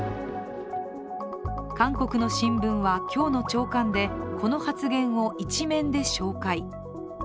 韓国の新聞は、今日の朝刊でこの発言を一面で紹介。